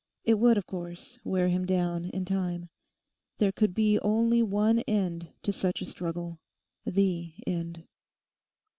It would, of course, wear him down in time. There could be only one end to such a struggle—the end.